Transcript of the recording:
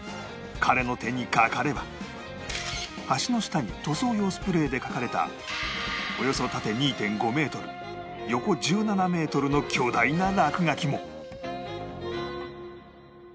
彼の手にかかれば橋の下に塗装用スプレーで描かれたおよそ縦 ２．５ メートル横１７メートルの巨大な落書きも